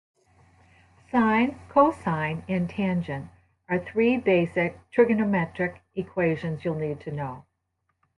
Sine, cosine and tangent are three basic trigonometric equations you'll need to know.